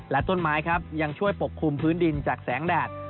และต้นไม้ครับยังช่วยปกคลุมพื้นดินจากแสงแดด